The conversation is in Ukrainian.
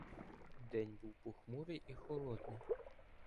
День був похмурий і холодний.